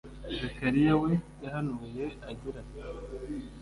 Zekariya we yahanuye agira ati: